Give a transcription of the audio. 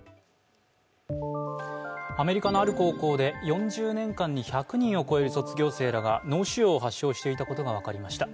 アメリカのある高校で４０年間に１００人を超える卒業生らが脳腫瘍を発症していたことが分かりました。